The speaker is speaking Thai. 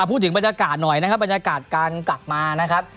พูดถึงบรรยากาศหน่อยนะครับบรรยากาศการกลับมานะครับ